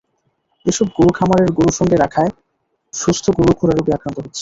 এসব গরু খামারের গরুর সঙ্গে রাখায় সুস্থ গরুও খুরারোগে আক্রান্ত হচ্ছে।